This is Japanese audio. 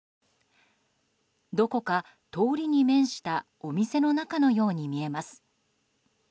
どこか、通りに面したお店の中のように見えます。